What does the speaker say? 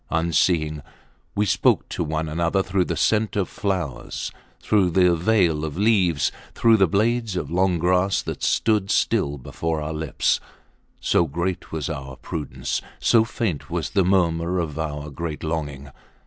Unseeing, we spoke to one another through the scent of flowers, through the veil of leaves, through the blades of long grass that stood still before our lips; so great was our prudence, so faint was the murmur of our great longing.